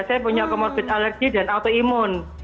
saya punya comorbid alergi dan autoimun